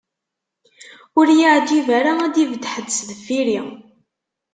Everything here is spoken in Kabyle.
Ur y-iεǧib ara ad d-ibedd ḥedd sdeffir-i.